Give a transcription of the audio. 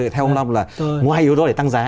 theo ông long là mua hai yếu tố để tăng giá